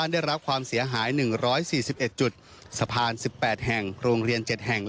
ดร๑๘แห่งโรงเรียน๗แห่ง